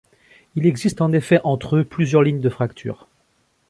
Il existe en effet entre eux plusieurs lignes de fracture.